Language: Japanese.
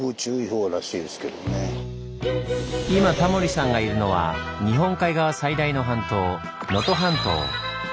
今タモリさんがいるのは日本海側最大の半島能登半島。